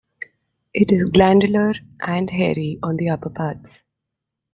It is glandular and hairy on the upper parts.